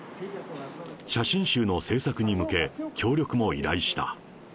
写真集の制作に向け、協力を依頼した。